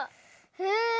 へえ！